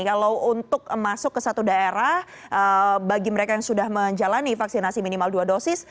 kalau untuk masuk ke satu daerah bagi mereka yang sudah menjalani vaksinasi minimal dua dosis